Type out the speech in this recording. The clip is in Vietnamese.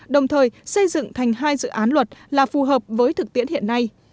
đồng thời xây dựng thành hai dự án luật là phù hợp với thực tiễn hiện nay